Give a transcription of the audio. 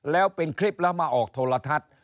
แล้วเป็นคลิปแล้วมาออกโทรทัศน์